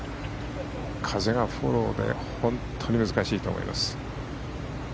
風がフォローで本当に難しいと思います。